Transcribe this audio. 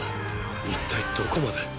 一体どこまで！！